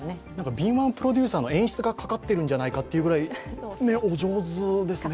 敏腕プロデューサーの演出がかかってるんじゃないかというくらいお上手ですよね。